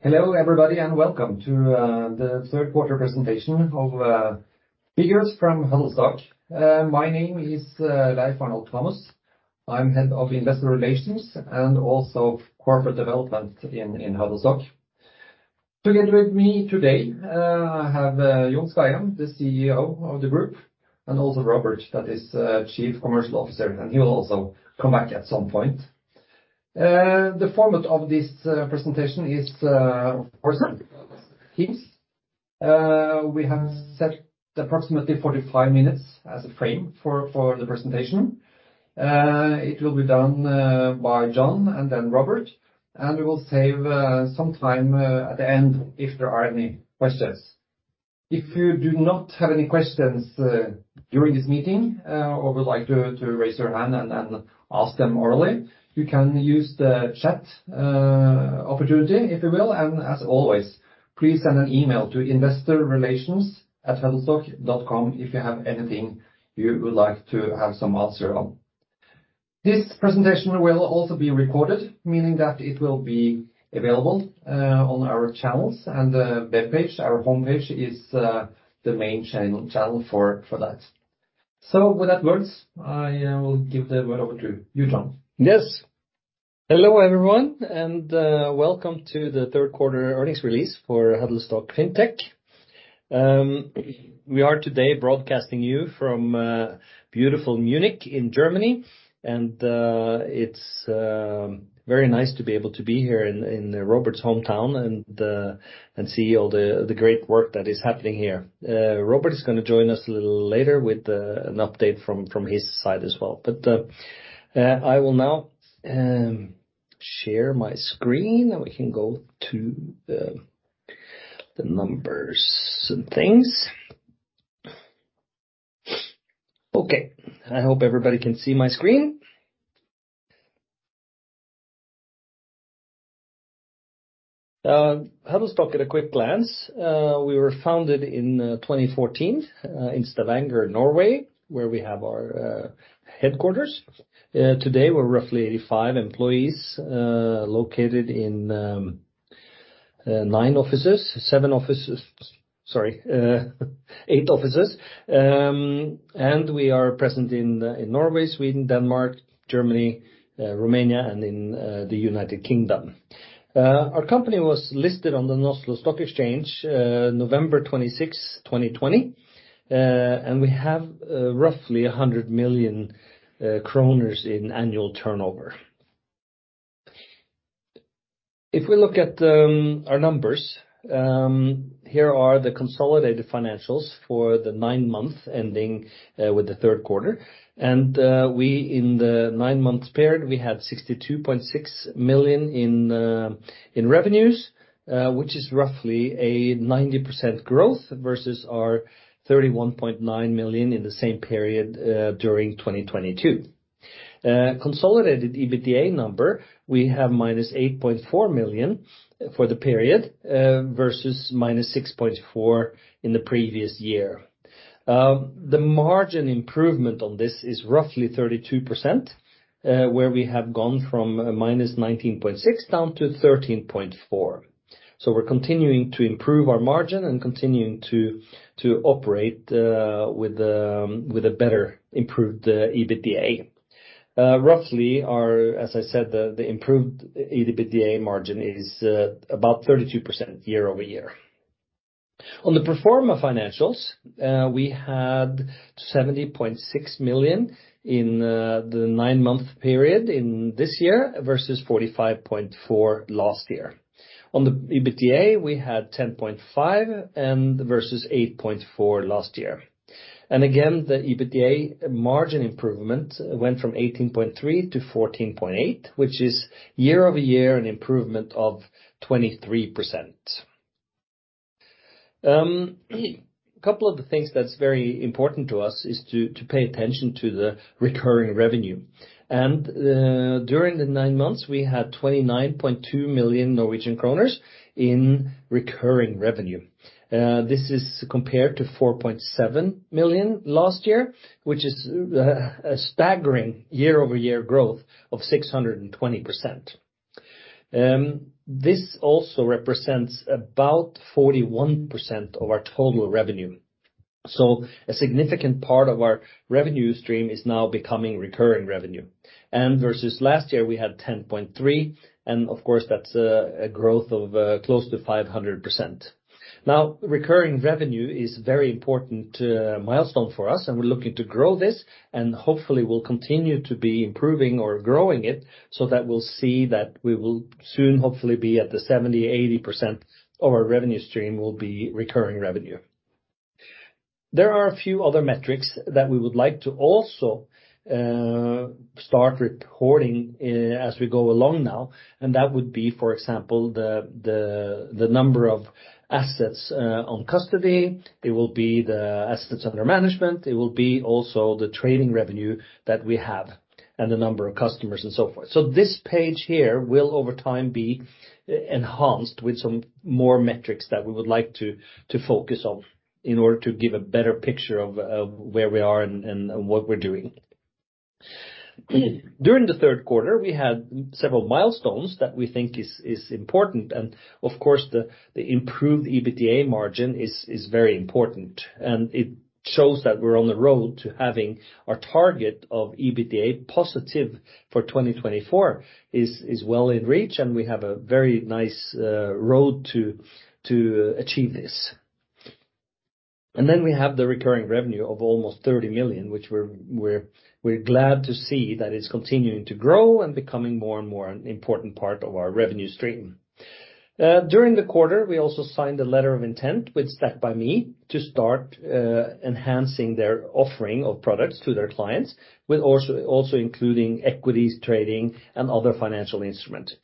Hello, everybody, and welcome to the third quarter presentation of figures from Huddlestock. My name is Leif Arnold Thomas. I'm head of Investor Relations and also Corporate Development in Huddlestock. Together with me today, I have John Skajem, the CEO of the group, and also Robert, that is, Chief Commercial Officer, and he will also come back at some point. The format of this presentation is, of course, teams. We have set approximately 45 minutes as a frame for the presentation. It will be done by John and then Robert, and we will save some time at the end if there are any questions. If you do not have any questions during this meeting, or would like to raise your hand and ask them orally, you can use the chat opportunity, if you will. And as always, please send an email to investorrelations@huddlestock.com if you have anything you would like to have some answer on. This presentation will also be recorded, meaning that it will be available on our channels and the webpage. Our homepage is the main channel for that. So with that words, I will give the word over to you, John. Yes. Hello, everyone, and welcome to the third quarter earnings release for Huddlestock Fintech. We are today broadcasting you from beautiful Munich in Germany, and it's very nice to be able to be here in Robert's hometown and see all the great work that is happening here. Robert is gonna join us a little later with an update from his side as well. But I will now share my screen, and we can go to the numbers and things. Okay, I hope everybody can see my screen. Huddlestock, at a quick glance, we were founded in 2014 in Stavanger, Norway, where we have our headquarters. Today, we're roughly 85 employees located in 9 offices, 7 offices—sorry, 8 offices. We are present in Norway, Sweden, Denmark, Germany, Romania, and in the United Kingdom. Our company was listed on the Oslo Stock Exchange November 26, 2020, and we have roughly 100 million kroner in annual turnover. If we look at our numbers, here are the consolidated financials for the nine months ending with the third quarter. We, in the nine-month period, we had 62.6 million in revenues, which is roughly a 90% growth versus our 31.9 million in the same period during 2022. Consolidated EBITDA number, we have -8.4 million for the period versus -6.4 million in the previous year. The margin improvement on this is roughly 32%, where we have gone from -19.6%-13.4%. So we're continuing to improve our margin and continuing to operate with a better improved EBITDA. Roughly, as I said, the improved EBITDA margin is about 32% year-over-year. On the pro forma financials, we had 70.6 million in the nine-month period in this year versus 45.4 million last year. On the EBITDA, we had 10.5 million versus 8.4 million last year. And again, the EBITDA margin improvement went from 18.3%-14.8%, which is year-over-year, an improvement of 23%. A couple of the things that's very important to us is to pay attention to the recurring revenue. During the nine months, we had 29.2 million Norwegian kroner in recurring revenue. This is compared to 4.7 million last year, which is a staggering year-over-year growth of 620%. This also represents about 41% of our total revenue. A significant part of our revenue stream is now becoming recurring revenue. Versus last year, we had 10.3, and of course, that's a growth of close to 500%. Now, recurring revenue is very important milestone for us, and we're looking to grow this, and hopefully, we'll continue to be improving or growing it so that we'll see that we will soon, hopefully, be at the 70%-80% of our revenue stream will be recurring revenue. There are a few other metrics that we would like to also start reporting as we go along now, and that would be, for example, the number of assets on custody. It will be the assets under management. It will be also the trading revenue that we have and the number of customers and so forth. So this page here will, over time, be enhanced with some more metrics that we would like to focus on in order to give a better picture of where we are and what we're doing. During the third quarter, we had several milestones that we think is important, and of course, the improved EBITDA margin is very important. It shows that we're on the road to having our target of EBITDA positive for 2024, which is well in reach, and we have a very nice road to achieve this. Then we have the recurring revenue of almost 30 million, which we're glad to see that it's continuing to grow and becoming more and more an important part of our revenue stream. During the quarter, we also signed a letter of intent with Stackby.me to start enhancing their offering of products to their clients, also including equities, trading, and other financial instruments.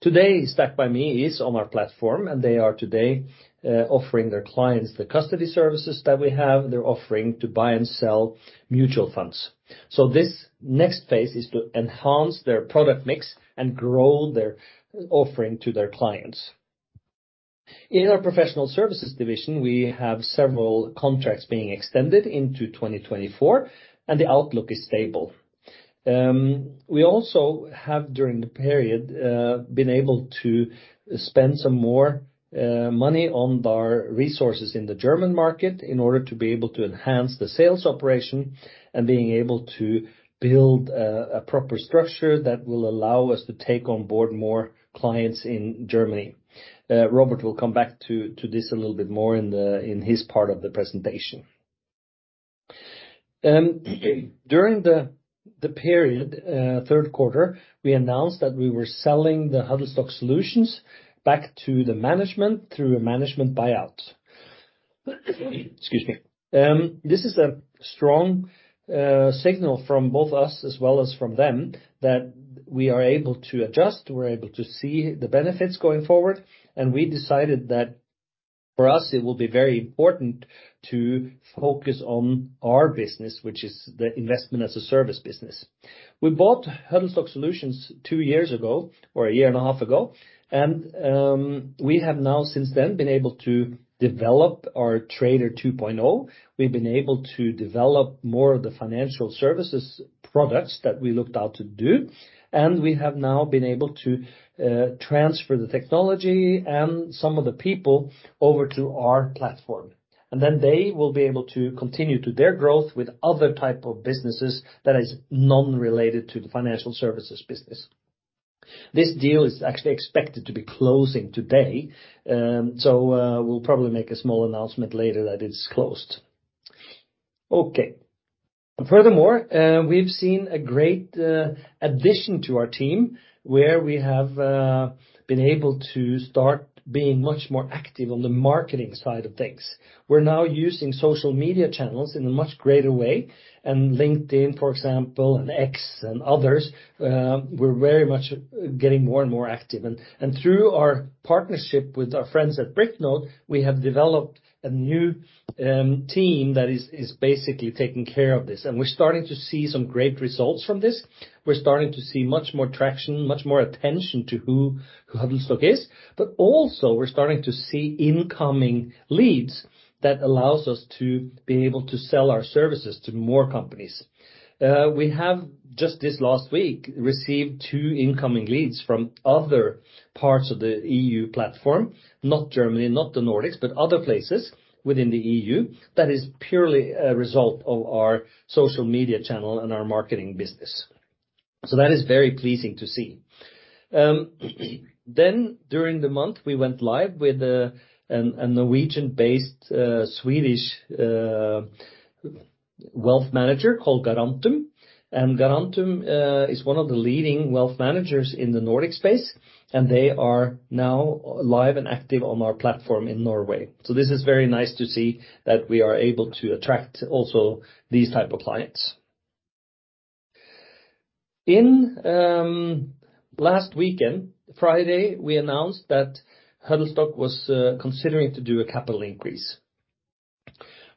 Today, Stackby.me is on our platform, and they are today offering their clients the custody services that we have. They're offering to buy and sell mutual funds. So this next phase is to enhance their product mix and grow their offering to their clients. In our professional services division, we have several contracts being extended into 2024, and the outlook is stable. We also have, during the period, been able to spend some more money on our resources in the German market in order to be able to enhance the sales operation, and being able to build a proper structure that will allow us to take on board more clients in Germany. Robert will come back to this a little bit more in his part of the presentation. During the period, third quarter, we announced that we were selling the Huddlestock Solutions back to the management through a management buyout. Excuse me. This is a strong signal from both us as well as from them, that we are able to adjust, we're able to see the benefits going forward, and we decided that for us, it will be very important to focus on our business, which is the investment as a service business. We bought Huddlestock Solutions two years ago or a year and a half ago, and we have now since then been able to develop our Trader 2.0. We've been able to develop more of the financial services products that we looked out to do, and we have now been able to transfer the technology and some of the people over to our platform. And then they will be able to continue to their growth with other type of businesses that is non-related to the financial services business. This deal is actually expected to be closing today, so we'll probably make a small announcement later that it is closed. Okay. Furthermore, we've seen a great addition to our team, where we have been able to start being much more active on the marketing side of things. We're now using social media channels in a much greater way, and LinkedIn, for example, and X, and others, we're very much getting more and more active. And through our partnership with our friends at Bricknode, we have developed a new team that is basically taking care of this, and we're starting to see some great results from this. We're starting to see much more traction, much more attention to who Huddlestock is, but also we're starting to see incoming leads that allows us to be able to sell our services to more companies. We have, just this last week, received two incoming leads from other parts of the EU platform, not Germany, not the Nordics, but other places within the EU. That is purely a result of our social media channel and our marketing business. So that is very pleasing to see. Then during the month, we went live with a Norwegian-based Swedish wealth manager called Garantum. And Garantum is one of the leading wealth managers in the Nordic space, and they are now live and active on our platform in Norway. So this is very nice to see that we are able to attract also these type of clients. Last weekend, Friday, we announced that Huddlestock was considering to do a capital increase.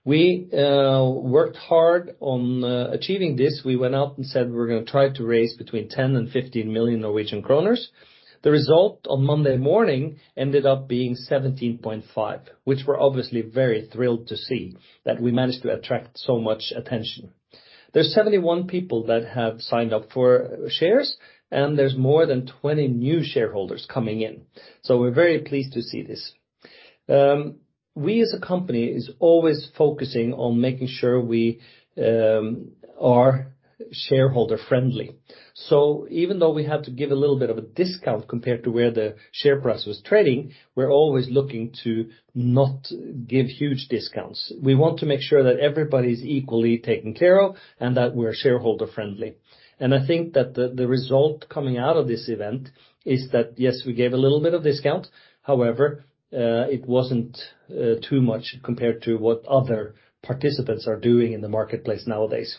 We worked hard on achieving this. We went out and said we're gonna try to raise between 10 million and 15 million Norwegian kroner. The result on Monday morning ended up being 17.5 million, which we're obviously very thrilled to see, that we managed to attract so much attention. There's 71 people that have signed up for shares, and there's more than 20 new shareholders coming in. So we're very pleased to see this. We, as a company, is always focusing on making sure we are shareholder friendly. So even though we had to give a little bit of a discount compared to where the share price was trading, we're always looking to not give huge discounts. We want to make sure that everybody is equally taken care of, and that we're shareholder friendly. And I think that the result coming out of this event is that, yes, we gave a little bit of discount; however, it wasn't too much compared to what other participants are doing in the marketplace nowadays.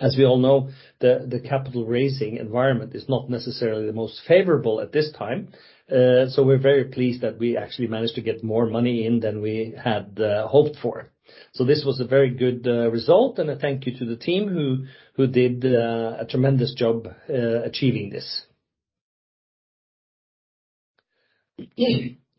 As we all know, the capital-raising environment is not necessarily the most favorable at this time, so we're very pleased that we actually managed to get more money in than we had hoped for. So this was a very good result, and a thank you to the team who did a tremendous job achieving this....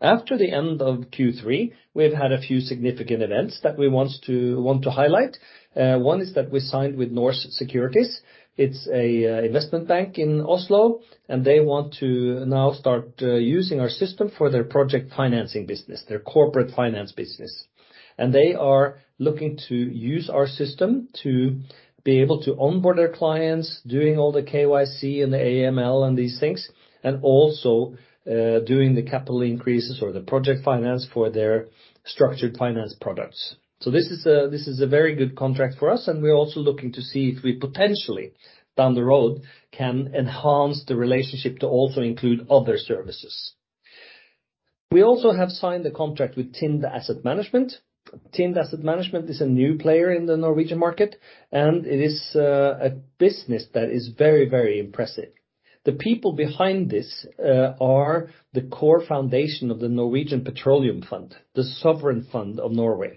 After the end of Q3, we've had a few significant events that we want to highlight. One is that we signed with Norne Securities. It's an investment bank in Oslo, and they want to now start using our system for their project financing business, their corporate finance business. And they are looking to use our system to be able to onboard their clients, doing all the KYC and the AML and these things, and also doing the capital increases or the project finance for their structured finance products. So this is a very good contract for us, and we're also looking to see if we potentially, down the road, can enhance the relationship to also include other services. We also have signed the contract with TIND Asset Management. TIND Asset Management is a new player in the Norwegian market, and it is a business that is very, very impressive. The people behind this are the core foundation of the Norwegian Petroleum Fund, the sovereign fund of Norway.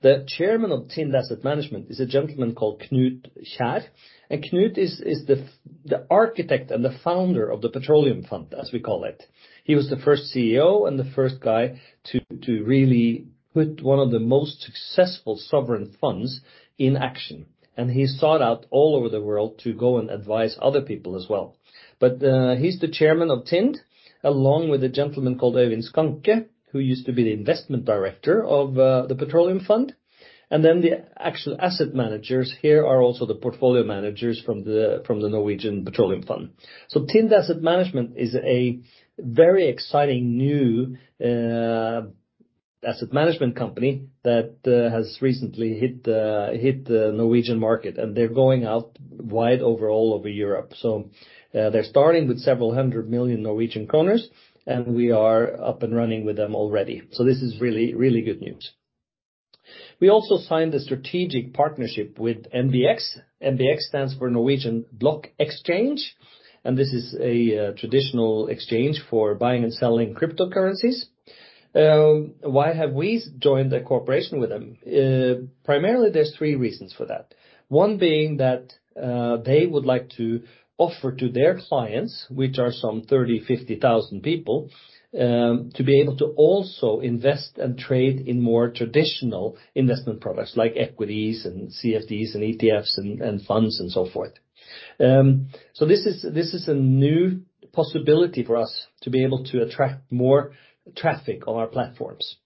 The chairman of TIND Asset Management is a gentleman called Knut Kjær, and Knut is the architect and the founder of the Petroleum Fund, as we call it. He was the first CEO and the first guy to really put one of the most successful sovereign funds in action, and he sought out all over the world to go and advise other people as well. But, he's the chairman of TIND, along with a gentleman called Øyvind Schanke, who used to be the investment director of the Petroleum Fund. And then the actual asset managers here are also the portfolio managers from the Norwegian Petroleum Fund. So TIND Asset Management is a very exciting new asset management company that has recently hit the Norwegian market, and they're going out wide all over Europe. So they're starting with several hundred million NOK, and we are up and running with them already. So this is really, really good news. We also signed a strategic partnership with NBX. NBX stands for Norwegian Block Exchange, and this is a traditional exchange for buying and selling cryptocurrencies. Why have we joined the cooperation with them? Primarily, there's three reasons for that. One being that they would like to offer to their clients, which are some 30-50 thousand people, to be able to also invest and trade in more traditional investment products, like equities and CFDs and ETFs and funds and so forth. So this is a new possibility for us to be able to attract more traffic on our platforms.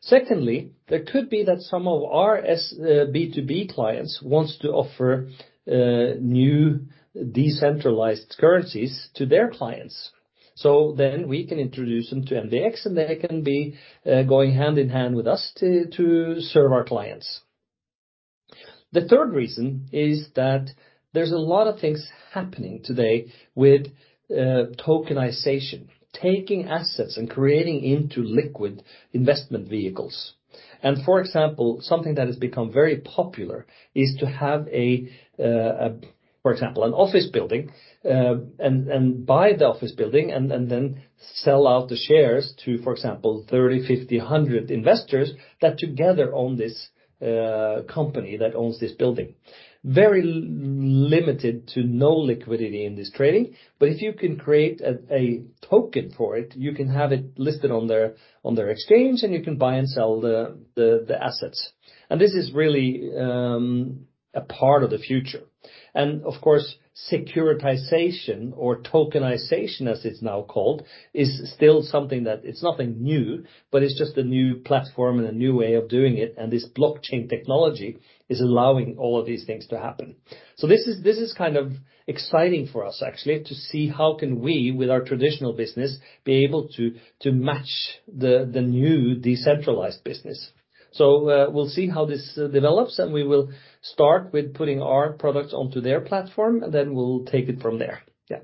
Secondly, there could be that some of our B2B clients wants to offer new decentralized currencies to their clients. So then we can introduce them to NBX, and they can be going hand-in-hand with us to serve our clients. The third reason is that there's a lot of things happening today with tokenization, taking assets and creating into liquid investment vehicles. And for example, something that has become very popular is to have a for example, an office building and buy the office building and then sell out the shares to, for example, 30, 50, 100 investors that together own this company that owns this building. Very limited to no liquidity in this trading, but if you can create a token for it, you can have it listed on their exchange, and you can buy and sell the assets. And this is really a part of the future. And of course, securitization, or tokenization, as it's now called, is still something that it's nothing new, but it's just a new platform and a new way of doing it, and this blockchain technology is allowing all of these things to happen. So this is kind of exciting for us, actually, to see how we can, with our traditional business, be able to match the new decentralized business. So we'll see how this develops, and we will start with putting our products onto their platform, and then we'll take it from there. Yeah.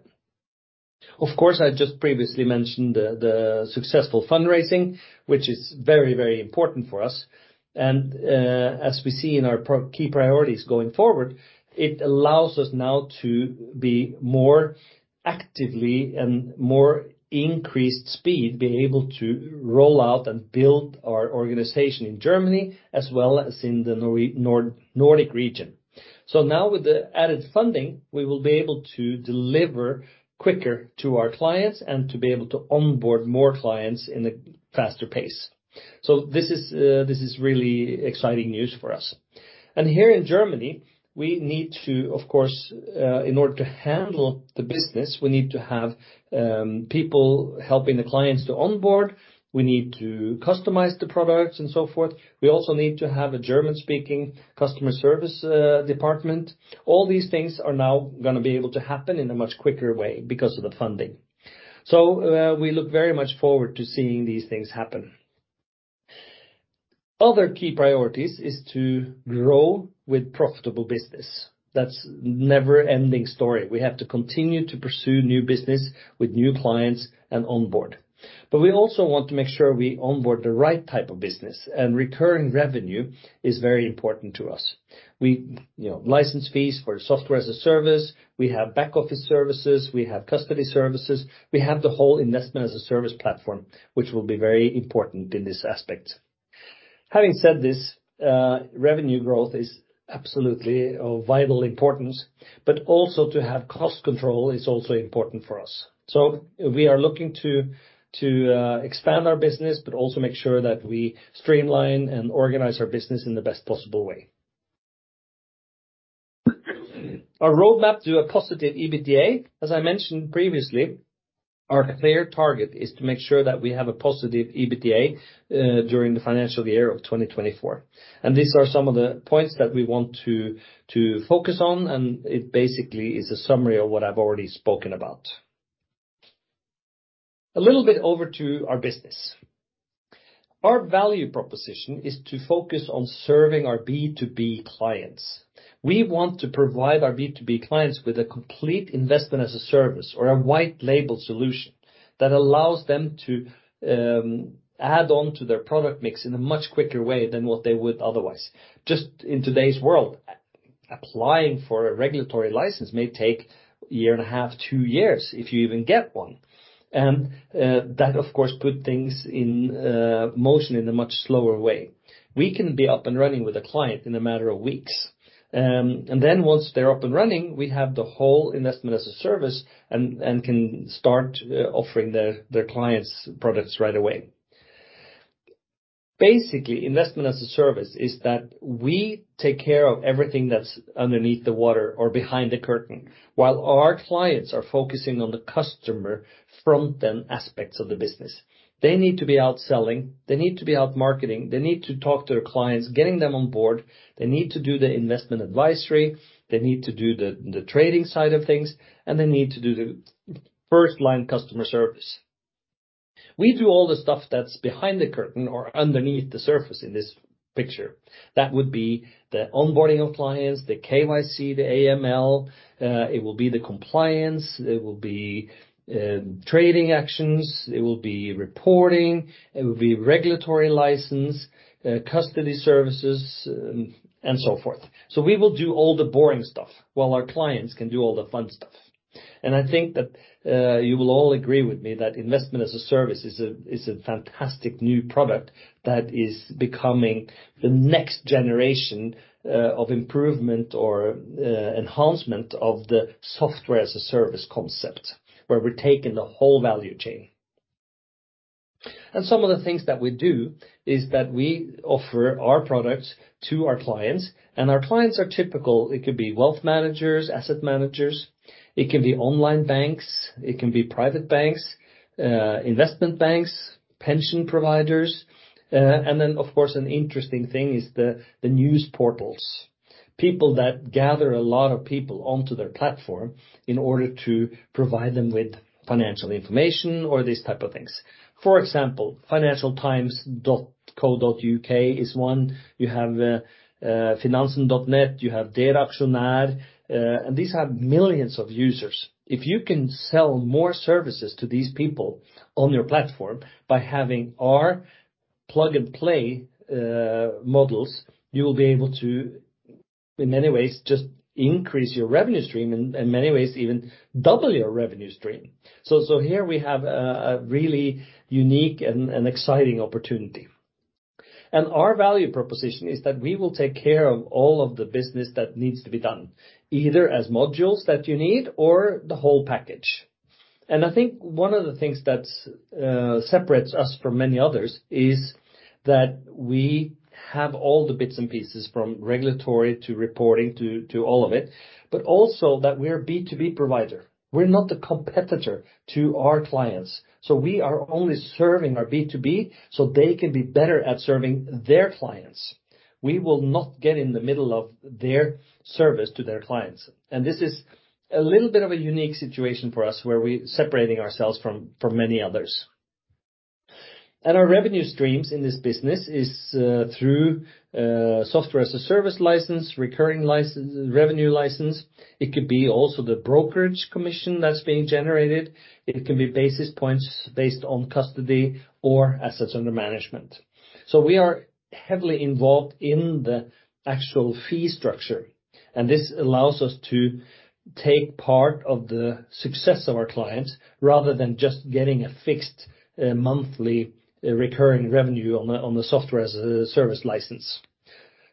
Of course, I just previously mentioned the successful fundraising, which is very, very important for us. And, as we see in our key priorities going forward, it allows us now to be more actively and more increased speed, being able to roll out and build our organization in Germany as well as in the Nordic region. So now with the added funding, we will be able to deliver quicker to our clients and to be able to onboard more clients in a faster pace. So this is, this is really exciting news for us. And here in Germany, we need to, of course, in order to handle the business, we need to have people helping the clients to onboard, we need to customize the products and so forth. We also need to have a German-speaking customer service department. All these things are now gonna be able to happen in a much quicker way because of the funding. So, we look very much forward to seeing these things happen. Other key priorities is to grow with profitable business. That's never ending story. We have to continue to pursue new business with new clients and onboard. But we also want to make sure we onboard the right type of business, and recurring revenue is very important to us. We... You know, license fees for Software as a Service, we have back office services, we have custody services, we have the whole Investment-as-a-Service platform, which will be very important in this aspect.... Having said this, revenue growth is absolutely of vital importance, but also to have cost control is also important for us. So we are looking to expand our business, but also make sure that we streamline and organize our business in the best possible way. Our roadmap to a positive EBITDA, as I mentioned previously, our clear target is to make sure that we have a positive EBITDA during the financial year of 2024. These are some of the points that we want to focus on, and it basically is a summary of what I've already spoken about. A little bit over to our business. Our value proposition is to focus on serving our B2B clients. We want to provide our B2B clients with a complete investment as a service or a white label solution that allows them to add on to their product mix in a much quicker way than what they would otherwise. Just in today's world, applying for a regulatory license may take a year and a half, two years, if you even get one. That, of course, put things in motion in a much slower way. We can be up and running with a client in a matter of weeks. And then once they're up and running, we have the whole investment as a service and can start offering their clients products right away. Basically, investment as a service is that we take care of everything that's underneath the water or behind the curtain, while our clients are focusing on the customer front end aspects of the business. They need to be out selling, they need to be out marketing, they need to talk to their clients, getting them on board, they need to do the investment advisory, they need to do the trading side of things, and they need to do the first line customer service. We do all the stuff that's behind the curtain or underneath the surface in this picture. That would be the onboarding of clients, the KYC, the AML, it will be the compliance, it will be trading actions, it will be reporting, it will be regulatory license, custody services, and so forth. So we will do all the boring stuff while our clients can do all the fun stuff. I think that, you will all agree with me that investment as a service is a, is a fantastic new product that is becoming the next generation, of improvement or, enhancement of the software as a service concept, where we're taking the whole value chain. Some of the things that we do is that we offer our products to our clients, and our clients are typical. It could be wealth managers, asset managers, it can be online banks, it can be private banks, investment banks, pension providers, and then, of course, an interesting thing is the news portals. People that gather a lot of people onto their platform in order to provide them with financial information or these type of things. For example, financialtimes.co.uk is one. You have finanzen.net, you have Der Aktionär, and these have millions of users. If you can sell more services to these people on your platform by having our plug-and-play models, you will be able to, in many ways, just increase your revenue stream, in many ways, even double your revenue stream. So here we have a really unique and exciting opportunity. And our value proposition is that we will take care of all of the business that needs to be done, either as modules that you need or the whole package. And I think one of the things that's separates us from many others is that we have all the bits and pieces, from regulatory to reporting, to all of it, but also that we're B2B provider. We're not the competitor to our clients, so we are only serving our B2B, so they can be better at serving their clients. We will not get in the middle of their service to their clients. This is a little bit of a unique situation for us, where we're separating ourselves from many others. Our revenue streams in this business is through software as a service license, recurring revenue license. It could be also the brokerage commission that's being generated, it can be basis points based on custody or assets under management. We are heavily involved in the actual fee structure, and this allows us to take part of the success of our clients, rather than just getting a fixed monthly recurring revenue on the software as a service license.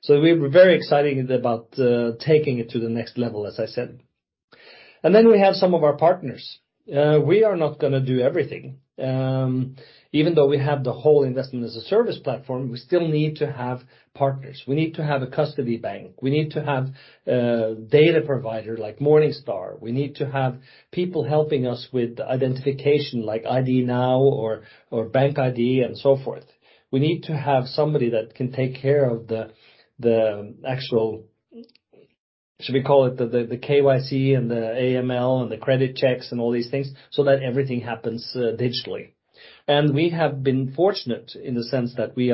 We're very excited about taking it to the next level, as I said. Then we have some of our partners. We are not gonna do everything. Even though we have the whole investment as a service platform, we still need to have partners. We need to have a custody bank, we need to have a data provider like Morningstar. We need to have people helping us with identification, like IDnow or BankID and so forth. We need to have somebody that can take care of the actual, should we call it, the KYC and the AML, and the credit checks, and all these things, so that everything happens digitally. We have been fortunate in the sense that we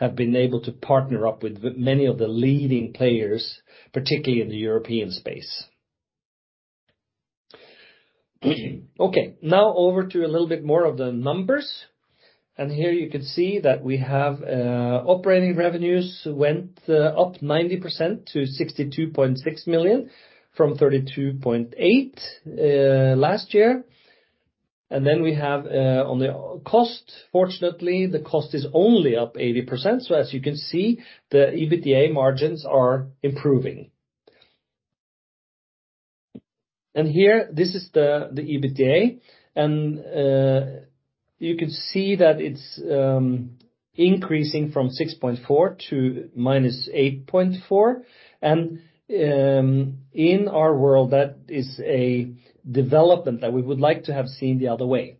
have been able to partner up with many of the leading players, particularly in the European space. Okay, now over to a little bit more of the numbers. Here you can see that we have operating revenues went up 90% to 62.6 million from 32.8 million last year. Then we have on the cost, fortunately, the cost is only up 80%. So as you can see, the EBITDA margins are improving. Here, this is the EBITDA, and you can see that it's increasing from 6.4 to -8.4, and in our world, that is a development that we would like to have seen the other way.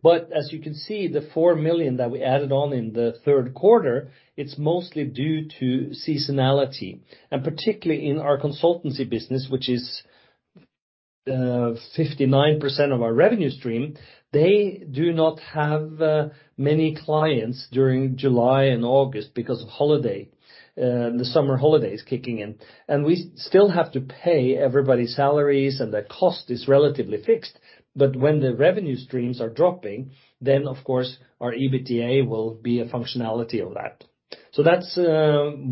But as you can see, the 4 million that we added on in the third quarter, it's mostly due to seasonality, and particularly in our consultancy business, which is 59% of our revenue stream. They do not have many clients during July and August because of holiday, the summer holidays kicking in, and we still have to pay everybody's salaries, and the cost is relatively fixed. But when the revenue streams are dropping, then, of course, our EBITDA will be a functionality of that. So that's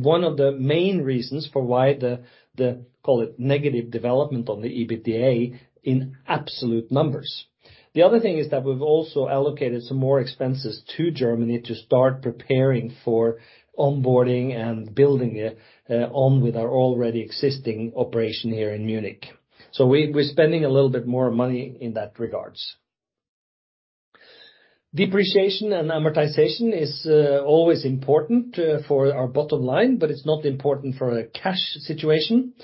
one of the main reasons for why the call it, negative development on the EBITDA in absolute numbers. The other thing is that we've also allocated some more expenses to Germany to start preparing for onboarding and building it on with our already existing operation here in Munich. So we're spending a little bit more money in that regards. Depreciation and amortization is always important for our bottom line, but it's not important for a cash situation.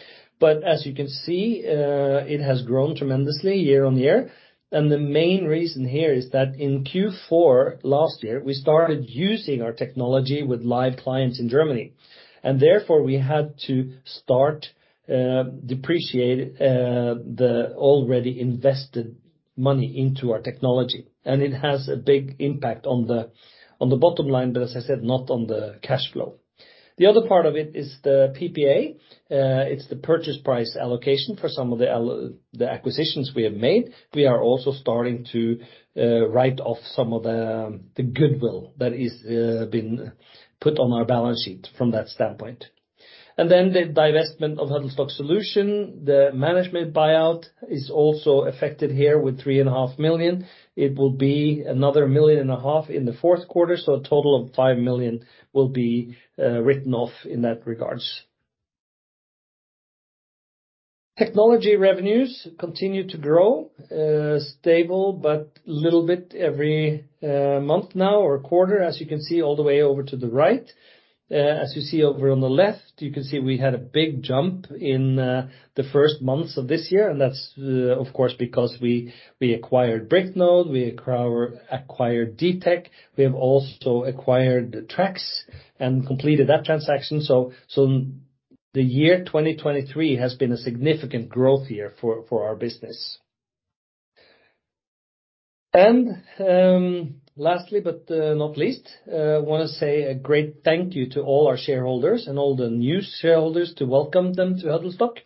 But as you can see, it has grown tremendously year-on-year, and the main reason here is that in Q4 last year, we started using our technology with live clients in Germany, and therefore, we had to start depreciate the already invested money into our technology, and it has a big impact on the bottom line, but as I said, not on the cash flow. The other part of it is the PPA. It's the purchase price allocation for some of the acquisitions we have made. We are also starting to write off some of the goodwill that is been put on our balance sheet from that standpoint. And then the divestment of Huddlestock Solutions, the management buyout is also affected here with 3.5 million. It will be another 1.5 million in the fourth quarter, so a total of 5 million will be written off in that regards. Technology revenues continue to grow stable, but little bit every month now or quarter, as you can see all the way over to the right. As you see over on the left, you can see we had a big jump in the first months of this year, and that's of course, because we acquired Bricknode, we acquired Dtech. We have also acquired Trax and completed that transaction. So the year 2023 has been a significant growth year for our business. And lastly, but not least, I wanna say a great thank you to all our shareholders and all the new shareholders to welcome them to Huddlestock.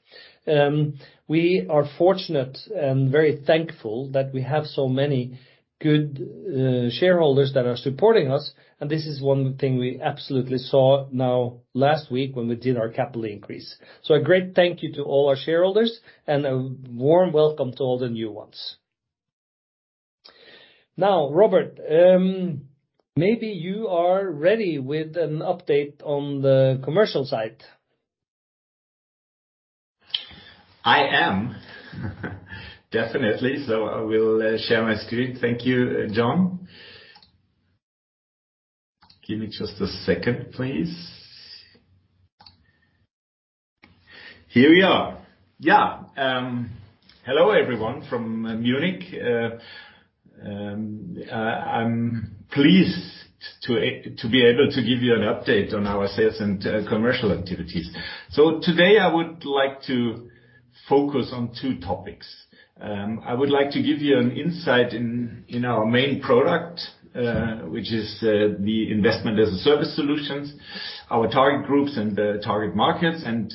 We are fortunate and very thankful that we have so many good shareholders that are supporting us, and this is one thing we absolutely saw now last week when we did our capital increase. A great thank you to all our shareholders, and a warm welcome to all the new ones. Now, Robert, maybe you are ready with an update on the commercial side. I am. Definitely. So I will share my screen. Thank you, John. Give me just a second, please. Here we are. Yeah, hello, everyone, from Munich. I'm pleased to be able to give you an update on our sales and commercial activities. So today, I would like to focus on two topics. I would like to give you an insight in our main product, which is the investment as a service solutions, our target groups and the target markets, and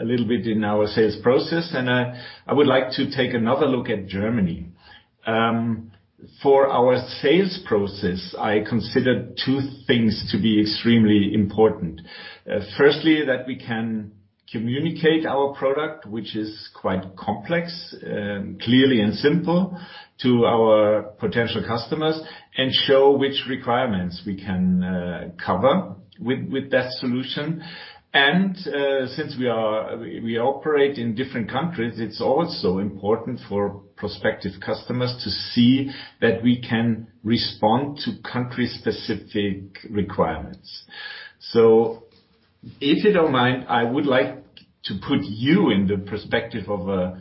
a little bit in our sales process, and I would like to take another look at Germany. For our sales process, I consider two things to be extremely important. Firstly, that we can communicate our product, which is quite complex, clearly and simply to our potential customers, and show which requirements we can cover with that solution. Since we operate in different countries, it's also important for prospective customers to see that we can respond to country-specific requirements. If you don't mind, I would like to put you in the perspective of a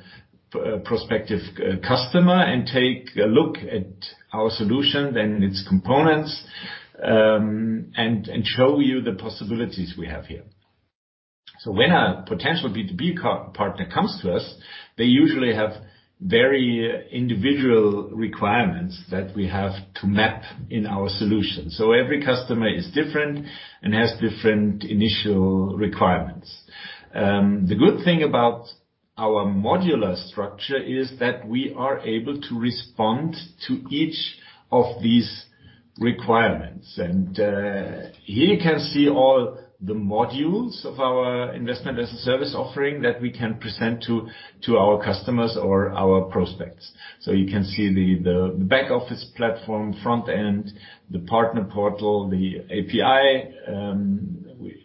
prospective customer and take a look at our solution and its components, and show you the possibilities we have here. So when a potential B2B partner comes to us, they usually have very individual requirements that we have to map in our solution. Every customer is different and has different initial requirements. The good thing about our modular structure is that we are able to respond to each of these-... requirements. Here you can see all the modules of our investment as a service offering that we can present to our customers or our prospects. So you can see the back office platform, front end, the partner portal, the API,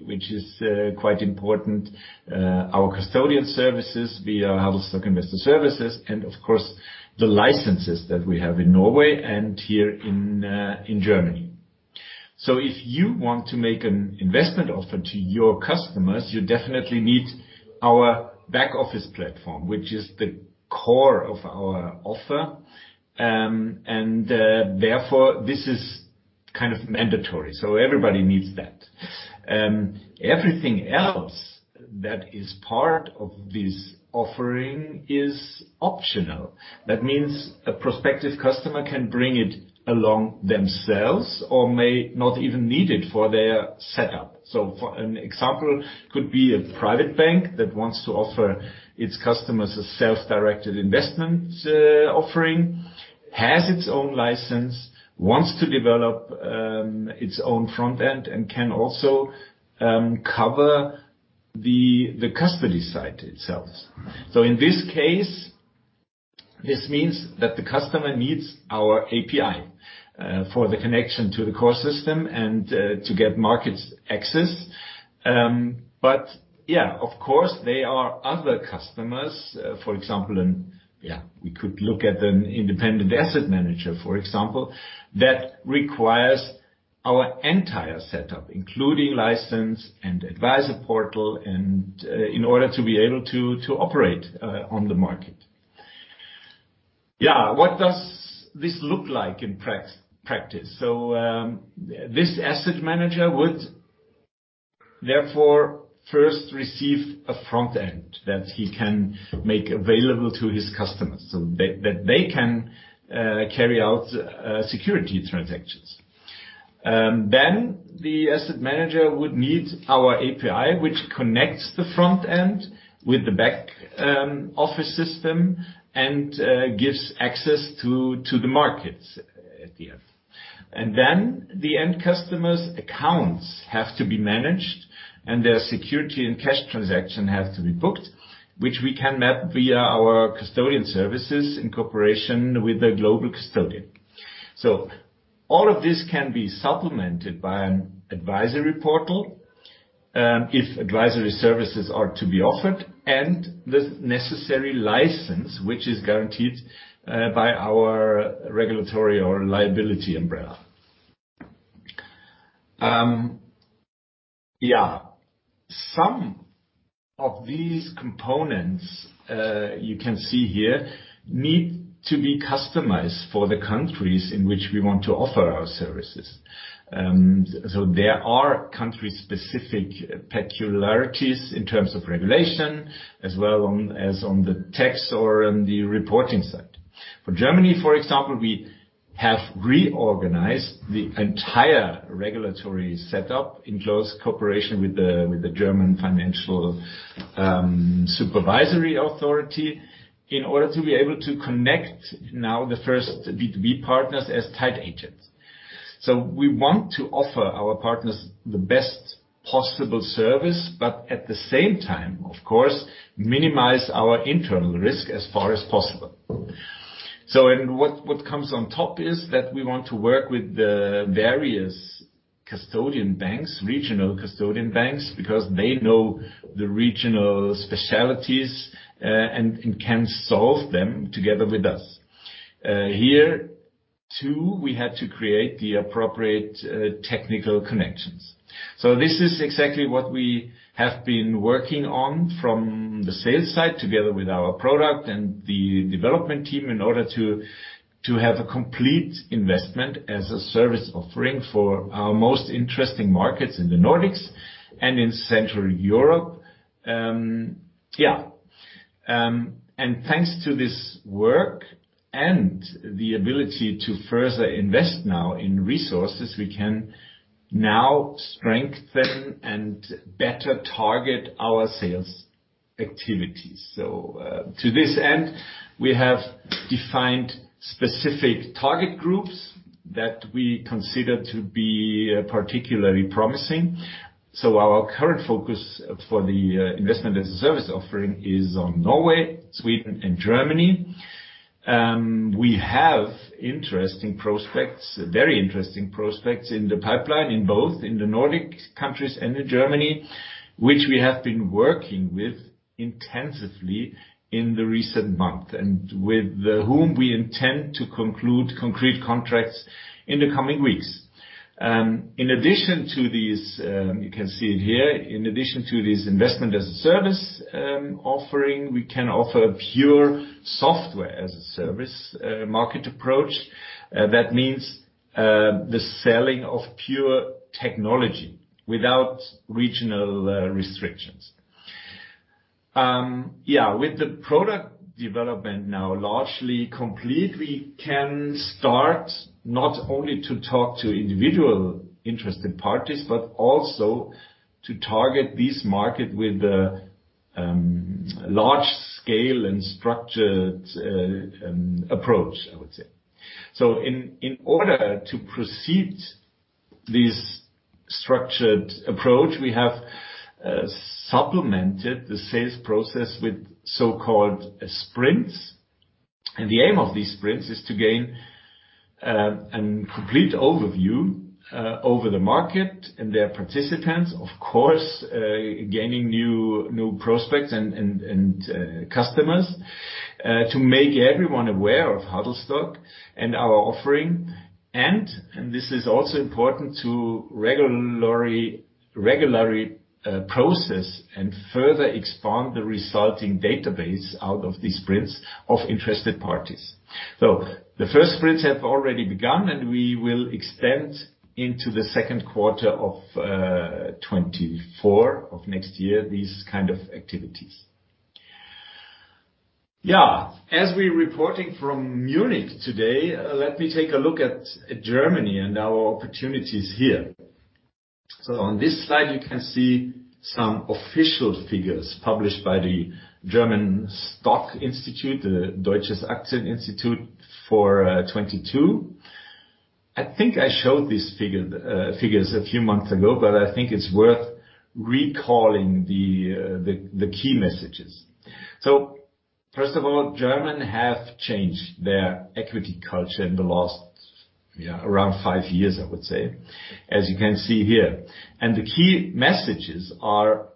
which is quite important, our custodian services via Huddlestock Investor Services, and of course, the licenses that we have in Norway and here in Germany. So if you want to make an investment offer to your customers, you definitely need our back office platform, which is the core of our offer. Therefore, this is kind of mandatory, so everybody needs that. Everything else that is part of this offering is optional. That means a prospective customer can bring it along themselves or may not even need it for their setup. So an example could be a private bank that wants to offer its customers a self-directed investment offering, has its own license, wants to develop its own front end, and can also cover the custody side itself. So in this case, this means that the customer needs our API for the connection to the core system and to get markets access. But yeah, of course, there are other customers, for example, yeah, we could look at an independent asset manager, for example, that requires our entire setup, including license and advisor portal, and in order to be able to operate on the market. Yeah, what does this look like in practice? So, this asset manager would, therefore, first receive a front end that he can make available to his customers, so that they can carry out securities transactions. Then the asset manager would need our API, which connects the front end with the back office system and gives access to the markets at the end. Then the end customers' accounts have to be managed, and their securities and cash transactions have to be booked, which we can map via our custodian services in cooperation with the global custodian. So all of this can be supplemented by an advisory portal, if advisory services are to be offered, and the necessary license, which is guaranteed by our regulatory or liability umbrella. Yeah, some of these components, you can see here, need to be customized for the countries in which we want to offer our services. So there are country-specific peculiarities in terms of regulation, as well as on the tax or on the reporting side. For Germany, for example, we have reorganized the entire regulatory setup in close cooperation with the German Financial Supervisory Authority, in order to be able to connect now the first B2B partners as tied agents. So we want to offer our partners the best possible service, but at the same time, of course, minimize our internal risk as far as possible. So what comes on top is that we want to work with the various custodian banks, regional custodian banks, because they know the regional specialties, and can solve them together with us. Here, too, we had to create the appropriate technical connections. So this is exactly what we have been working on from the sales side, together with our product and the development team, in order to have a complete investment as a service offering for our most interesting markets in the Nordics and in Central Europe. And thanks to this work and the ability to further invest now in resources, we can now strengthen and better target our sales activities. So, to this end, we have defined specific target groups that we consider to be particularly promising. So our current focus for the investment as a service offering is on Norway, Sweden and Germany. We have interesting prospects, very interesting prospects in the pipeline, in both the Nordic countries and in Germany, which we have been working with intensively in the recent month, and with whom we intend to conclude concrete contracts in the coming weeks. In addition to these, you can see it here, in addition to this Investment-as-a-Service offering, we can offer a pure software-as-a-service market approach. That means, the selling of pure technology without regional restrictions. Yeah, with the product development now largely complete, we can start not only to talk to individual interested parties, but also to target this market with large scale and structured approach, I would say. So in order to proceed this structured approach, we have supplemented the sales process with so-called sprints. The aim of these sprints is to gain a complete overview over the market and their participants. Of course, gaining new prospects and customers to make everyone aware of Huddlestock and our offering. This is also important to regularly process and further expand the resulting database out of these sprints of interested parties. So the first sprints have already begun, and we will extend into the second quarter of 2024, of next year, these kind of activities. Yeah. As we're reporting from Munich today, let me take a look at Germany and our opportunities here. So on this slide, you can see some official figures published by the German Stock Institute, the Deutsches Aktieninstitut, for 2022. I think I showed these figure. figures a few months ago, but I think it's worth recalling the key messages. So first of all, Germans have changed their equity culture in the last, yeah, around five years, I would say, as you can see here. The key messages are: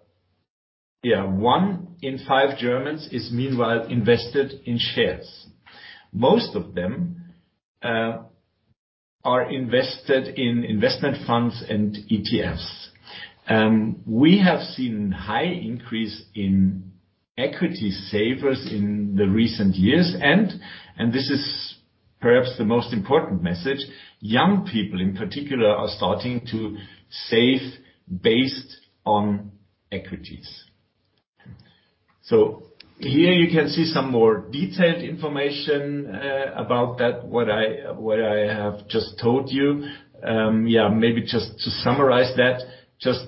yeah, one in five Germans is meanwhile invested in shares. Most of them are invested in investment funds and ETFs. We have seen high increase in equity savers in the recent years, and this is perhaps the most important message, young people in particular, are starting to save based on equities. So here you can see some more detailed information about that, what I have just told you. Yeah, maybe just to summarize that, just,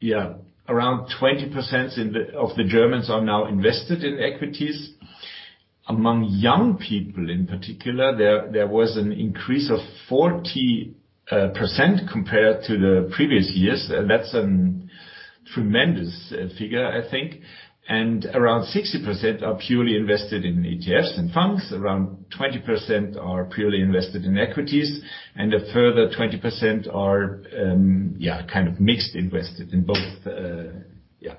yeah, around 20% of the Germans are now invested in equities. Among young people, in particular, there was an increase of 40% compared to the previous years. That's a tremendous figure, I think. Around 60% are purely invested in ETFs and funds. Around 20% are purely invested in equities, and a further 20% are kind of mixed invested in both.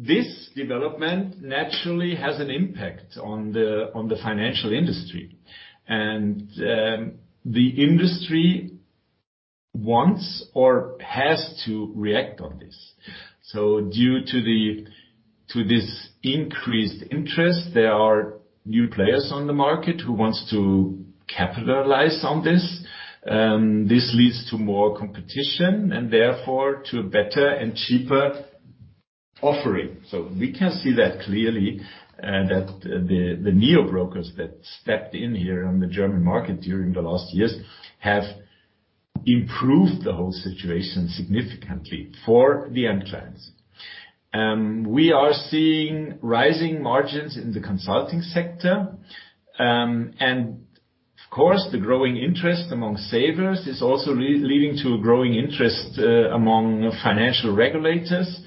This development naturally has an impact on the financial industry, and the industry wants or has to react on this. Due to this increased interest, there are new players on the market who wants to capitalize on this. This leads to more competition and therefore to a better and cheaper offering. So we can see that clearly that the neo-brokers that stepped in here on the German market during the last years have improved the whole situation significantly for the end clients. We are seeing rising margins in the consulting sector. And of course, the growing interest among savers is also leading to a growing interest among financial regulators.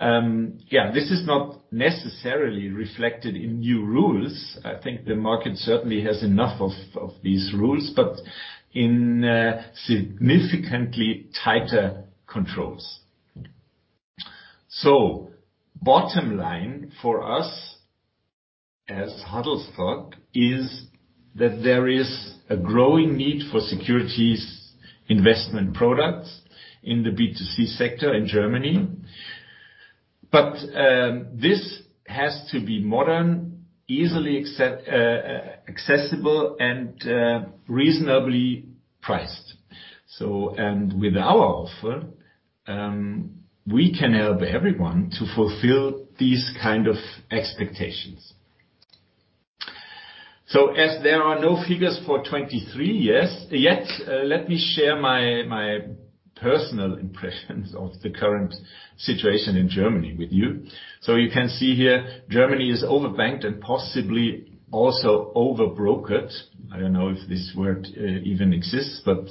Yeah, this is not necessarily reflected in new rules. I think the market certainly has enough of these rules, but in significantly tighter controls. So bottom line for us as Huddlestock is that there is a growing need for securities investment products in the B2C sector in Germany, but this has to be modern, easily accessible, and reasonably priced. So, and with our offer, we can help everyone to fulfill these kind of expectations. So as there are no figures for 2023, yes, yet, let me share my personal impressions of the current situation in Germany with you. So you can see here, Germany is over-banked and possibly also over-brokered. I don't know if this word even exists, but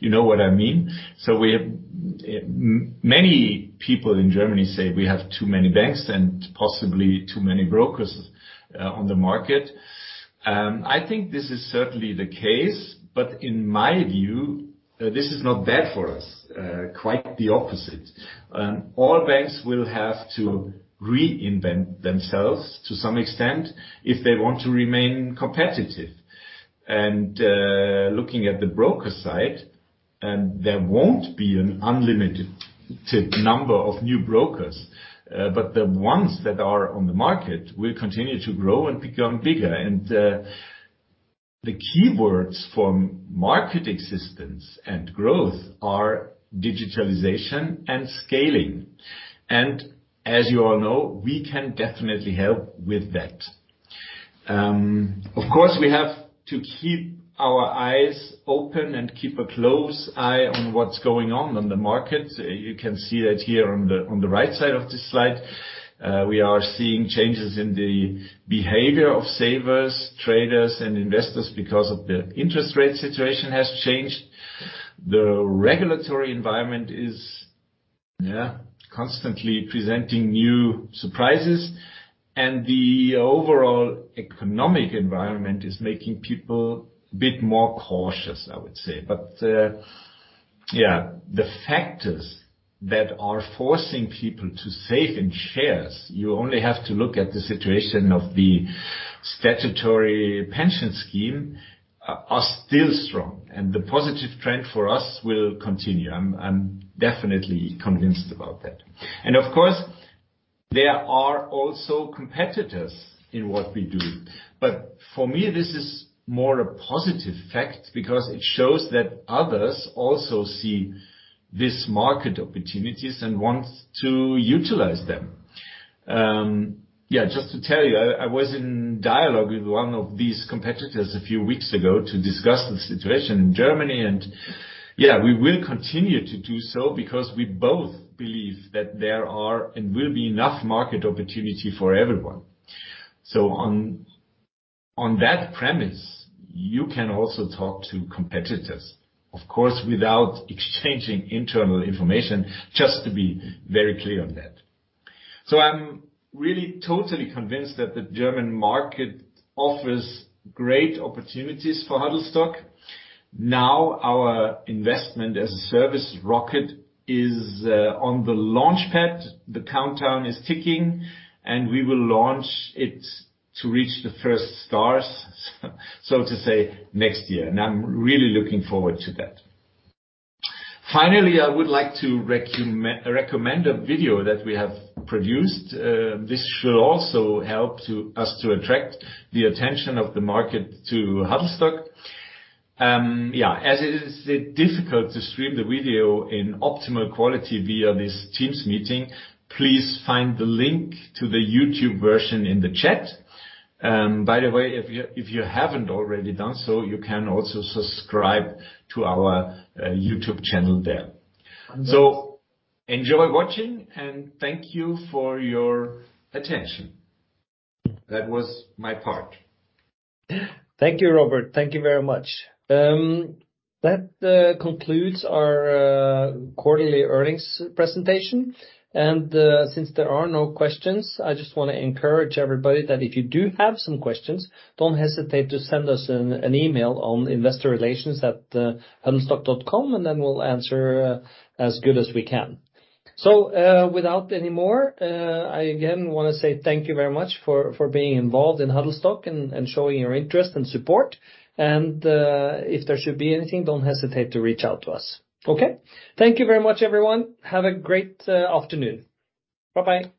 you know what I mean. So we have many people in Germany say we have too many banks and possibly too many brokers on the market. I think this is certainly the case, but in my view, this is not bad for us, quite the opposite. All banks will have to reinvent themselves to some extent, if they want to remain competitive. And looking at the broker side, there won't be an unlimited number of new brokers, but the ones that are on the market will continue to grow and become bigger. The keywords for market existence and growth are digitalization and scaling. As you all know, we can definitely help with that. Of course, we have to keep our eyes open and keep a close eye on what's going on in the market. You can see that here on the right side of this slide. We are seeing changes in the behavior of savers, traders, and investors because of the interest rate situation has changed. The regulatory environment is, yeah, constantly presenting new surprises, and the overall economic environment is making people a bit more cautious, I would say. But, yeah, the factors that are forcing people to save in shares, you only have to look at the situation of the statutory pension scheme, are still strong, and the positive trend for us will continue. I'm definitely convinced about that. Of course, there are also competitors in what we do, but for me, this is more a positive fact, because it shows that others also see this market opportunities and want to utilize them. Yeah, just to tell you, I was in dialogue with one of these competitors a few weeks ago to discuss the situation in Germany, and yeah, we will continue to do so because we both believe that there are and will be enough market opportunity for everyone. So on that premise, you can also talk to competitors, of course, without exchanging internal information, just to be very clear on that. So I'm really totally convinced that the German market offers great opportunities for Huddlestock. Now, our investment as a service rocket is on the launch pad. The countdown is ticking, and we will launch it to reach the first stars, so to say, next year, and I'm really looking forward to that. Finally, I would like to recommend a video that we have produced. This should also help to us to attract the attention of the market to Huddlestock. Yeah, as it is difficult to stream the video in optimal quality via this Teams meeting, please find the link to the YouTube version in the chat. By the way, if you, if you haven't already done so, you can also subscribe to our YouTube channel there. So enjoy watching, and thank you for your attention. That was my part. Thank you, Robert. Thank you very much. That concludes our quarterly earnings presentation. Since there are no questions, I just wanna encourage everybody that if you do have some questions, don't hesitate to send us an email on investorrelations@huddlestock.com, and then we'll answer as good as we can. Without any more, I again want to say thank you very much for being involved in Huddlestock and showing your interest and support. If there should be anything, don't hesitate to reach out to us. Okay? Thank you very much, everyone. Have a great afternoon. Bye-bye.